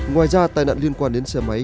ngoài ra tai nạn liên quan đến xe máy